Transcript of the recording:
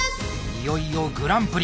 いよいよグランプリ！